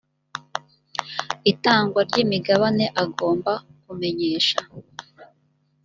itangwa ry imigabane agomba kumenyesha